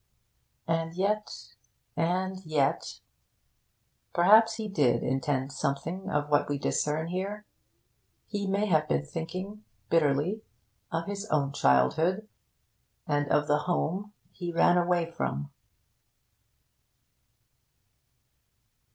And yet... and yet... perhaps he did intend something of what we discern here. He may have been thinking, bitterly, of his own childhood, and of the home he ran away from.